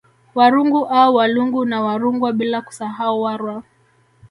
Warungu au Walungu na Warungwa bila kusahau Warwa